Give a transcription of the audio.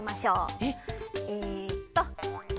えっ！？えっと。